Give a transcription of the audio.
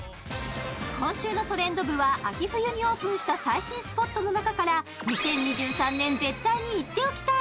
今週のトレンド部は秋冬にオープンした最新スポットの中から２０２３年絶対に行っておきたい！